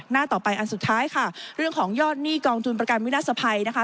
หน้าต่อไปอันสุดท้ายค่ะเรื่องของยอดหนี้กองทุนประกันวินาศภัยนะคะ